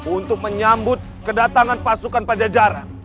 untuk menyambut kedatangan pasukan pajajaran